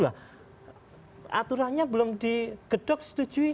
aturannya belum digedok setuju